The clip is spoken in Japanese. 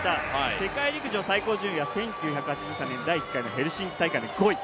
世界陸上最高順位は１９８３年第１回のヘルシンキ大会の５位。